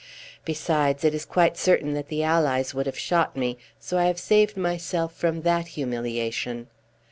Besides, it is quite certain that the Allies would have shot me, so I have saved myself from that humiliation."